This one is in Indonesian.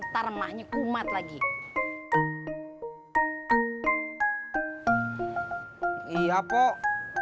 tidak aku mau tidur